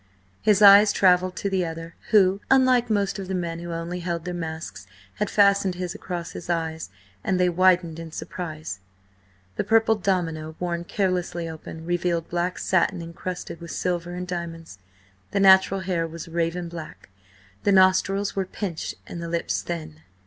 His eyes travelled to the other, who, unlike most of the men who only held their masks, had fastened his across his eyes, and they widened in surprise. The purple domino, worn carelessly open, revealed black satin encrusted with silver and diamonds. The natural hair was raven black, the nostrils were pinched and the lips thin.